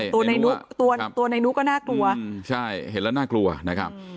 ตัวในนุตัวนายนุก็น่ากลัวใช่เห็นแล้วน่ากลัวนะครับ